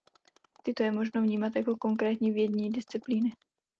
Tyto je možno vnímat jako konkrétní vědní disciplíny.